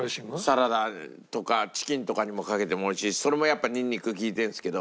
サラダとかチキンとかにもかけてもおいしいしそれもやっぱニンニク利いてるんですけど。